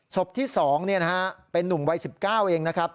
ศพที่๒เป็นนุ่มวัย๑๙เองนะครับ